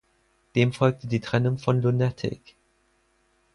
Dem folgte die Trennung von Lunatic.